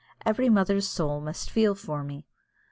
Every mother's soul must feel for me!"